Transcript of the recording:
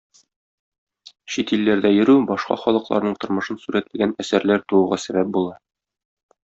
Чит илләрдә йөрү башка халыкларның тормышын сурәтләгән әсәрләр тууга сәбәп була.